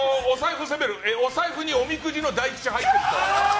お財布におみくじの大吉入ってる人。